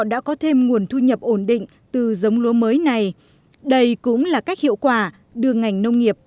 đã có thêm nguồn thu nhập ổn định từ giống lúa mới này đây cũng là cách hiệu quả đưa ngành nông nghiệp